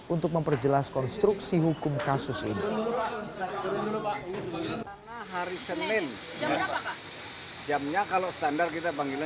untuk memperjelas konstruksi hukum kasus ini